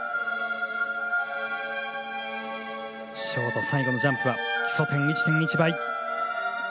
ショート最後のジャンプは基礎点１．１倍。